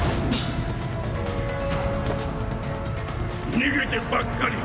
逃げてばっかり。